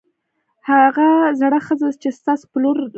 هغه زړه ښځه چې ستاسو بل لور ته اوسېږي